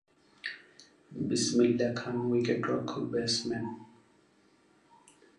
বিসমিল্লাহ খান উইকেটরক্ষক ব্যাটসম্যান।